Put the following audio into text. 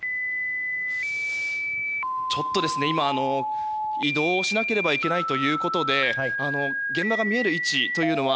ちょっと今、移動しなければいけないということで現場が見える位置というのは